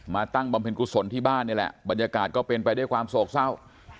ตั้งบำเพ็ญกุศลที่บ้านนี่แหละบรรยากาศก็เป็นไปด้วยความโศกเศร้า